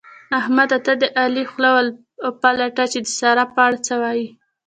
احمده! ته د علي خوله وپلټه چې د سارا په اړه څه وايي؟